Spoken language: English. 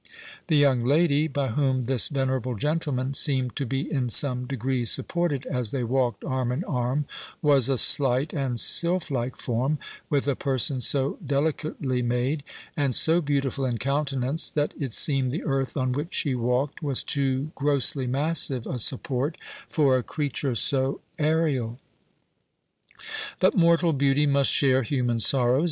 The young lady, by whom this venerable gentleman seemed to be in some degree supported as they walked arm in arm, was a slight and sylphlike form, with a person so delicately made, and so beautiful in countenance, that it seemed the earth on which she walked was too grossly massive a support for a creature so aerial. But mortal beauty must share human sorrows.